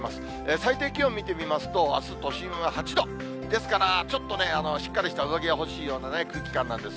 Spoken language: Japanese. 最低気温見てみますと、あす都心は８度、ですからちょっとね、しっかりした上着が欲しいような空気感なんです。